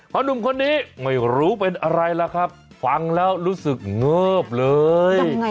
เพราะหนุ่มคนนี้ไม่รู้เป็นอะไรล่ะครับฟังแล้วรู้สึกเงิบเลย